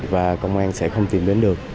và công an sẽ không tìm đến được